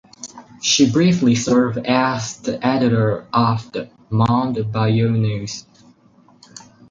She briefly served as the editor of the "Mound Bayou News".